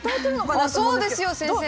あっそうですよ先生。